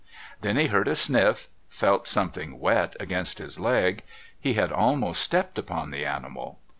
Then he heard a sniff, felt something wet against his leg he had almost stepped upon the animal.